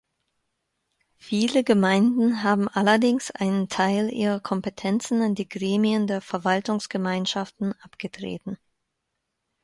Viele Gemeinden haben allerdings einen Teil ihrer Kompetenzen an die Gremien der Verwaltungsgemeinschaften abgetreten.